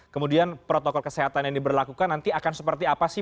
kemudian protokol kesehatan yang diberlakukan nanti akan seperti apa sih